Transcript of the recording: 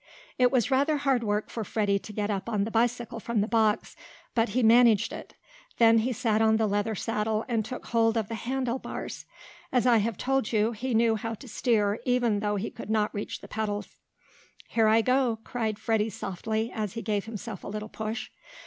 It was rather hard work for Freddie to get up on the bicycle from the box, but he managed it. Then he sat on the leather saddle, and took hold of the handle bars. As I have told you, he knew how to steer, even though he could not reach the pedals. "Here I go!" cried Freddie softly, as he gave himself a little push.